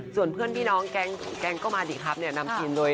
ส่วนเพื่อนพี่น้องแกงก็มาดิครับเนี่ย